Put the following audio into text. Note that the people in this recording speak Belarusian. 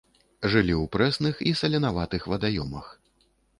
Жылі ў прэсных і саленаватых вадаёмах.